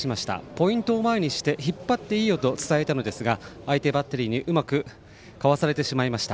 ポイントを前にして引っ張っていいよと伝えたんですが相手バッテリーにうまくかわされてしまいました。